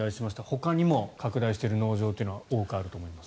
ほかにも拡大している農場というのは多くあると思います。